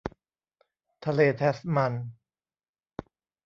ทะเลแทสมัน